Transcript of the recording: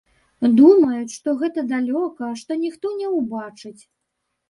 Думаюць, што гэта далёка, што ніхто не ўбачыць.